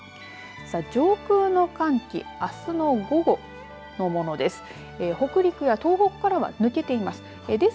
さあ、上空の寒気、あすの午後のものです。